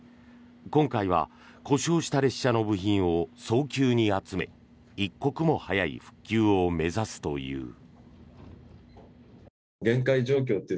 今回は故障した列車の部品を早急に集め一刻も早い復旧を目指すという。